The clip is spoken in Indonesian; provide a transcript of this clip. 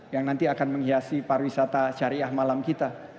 yang nanti akan menghiasi pariwisata syariah malam kita